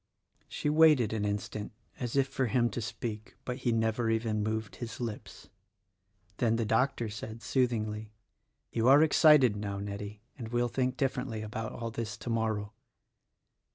She waited an instant as if for him to speak; but he never even moved his lips. Then the doctor said, sooth ingly, "You are excited now, Nettie, and will think differ ently about all this tomorrow."